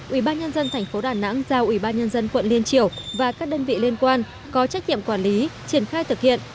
ubnd tp đà nẵng giao ubnd quận liên triều và các đơn vị liên quan có trách nhiệm quản lý triển khai thực hiện